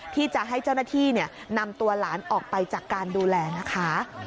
ที่จะให้เจ้าหน้าที่นำตัวหลานออกไปจากการดูแลนะคะ